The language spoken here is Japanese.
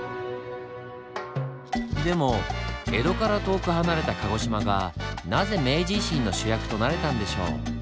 でも江戸から遠く離れた鹿児島がなぜ明治維新の主役となれたんでしょう？